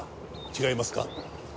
違いますか？